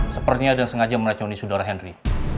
sepertinya ada yang sengaja meracuni sudara henry